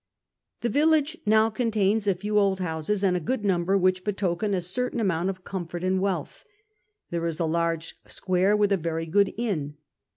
The village now contains a few old houses and a good number which betoken a certain amount of comfort and wealth. There is a large square with a very good inn.